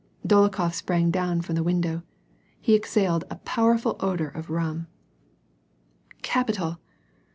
Dolokhof sprang down from the window. He exhaled a powerful odor of rum. " Capital